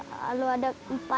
rp delapan kalau ada empat kelapa